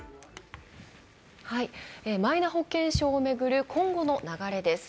マイナ保険証を巡る今後の流れです。